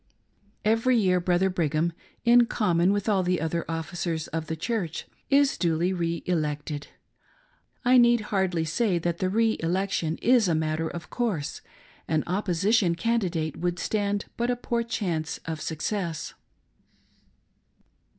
Every year. Brother Brigham, in common with all the other officers ot the Church, is duly re elected ; I need hardly say that the re election is a matter of course — an opposition candi date would stand but a poor chance of success.